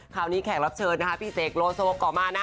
ข่าวนี้แขกรับเชิญพี่เสกโลโซก่อมานะ